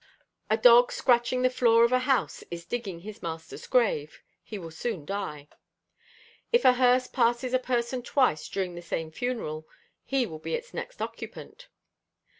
A dog scratching the floor of a house is digging his master's grave. He will soon die. If a hearse passes a person twice during the same funeral, he will be its next occupant.